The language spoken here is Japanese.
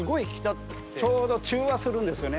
ちょうど中和するんですよね。